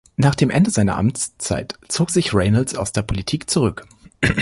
Nach dem Ende seiner Amtszeit zog sich Reynolds aus der Politik zurück.